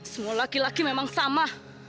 semua laki laki memang sama